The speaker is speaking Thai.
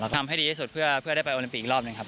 ทำให้ดีที่สุดเพื่อได้ไปโอลิมปิกอีกรอบหนึ่งครับ